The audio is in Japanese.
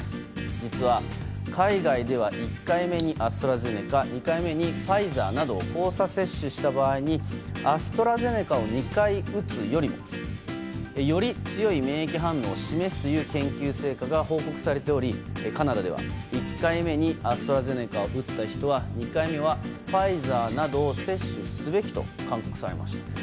実は、海外では１回目にアストラゼネカ２回目にファイザーなどを交差接種した場合にアストラゼネカを２回打つよりより強い免疫反応を示すという研究成果が報告されており、カナダでは１回目にアストラゼネカを打った人は２回目はファイザーなどを接種すべきと勧告されました。